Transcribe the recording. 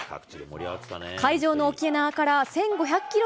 会場の沖縄から１５００キロ